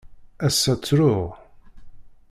Ass-a ttruɣ.